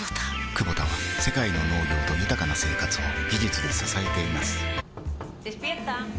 クボタは世界の農業と豊かな生活を技術で支えています起きて。